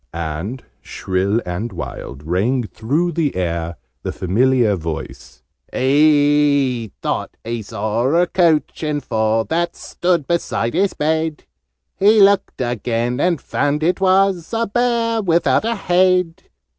And, shrill and wild, rang through the air the familiar voice: "He thought he saw a Coach and Four That stood beside his bed: He looked again, and found it was A Bear without a Head.